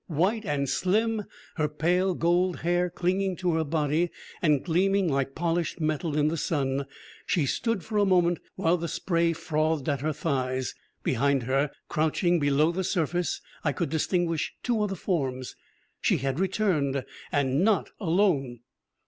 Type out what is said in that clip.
White and slim, her pale gold hair clinging to her body and gleaming like polished metal in the sun, she stood for a moment, while the spray frothed at her thighs. Behind her, crouching below the surface, I could distinguish two other forms. She had returned, and not alone!